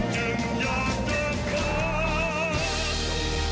จึงอยากเจอกับ